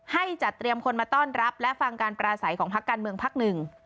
ให้จัดเตรียมคนมาต้อนรับและฟังการปราศัยของพักการเมืองพักหนึ่ง